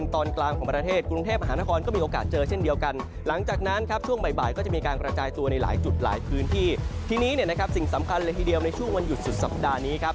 ต้องเตรียมในช่วงวันหยุดสุดสัปดาห์นี้ครับ